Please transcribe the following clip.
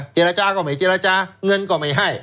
เจรจาก็ไม่เจรจาเงินก็ไม่ให้